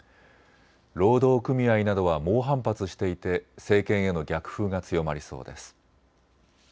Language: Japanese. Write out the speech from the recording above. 労働組合などは猛反発していて政権への逆風が強まりそうです。